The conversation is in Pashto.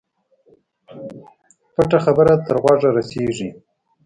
پټه خبره تر غوږه رسېږي.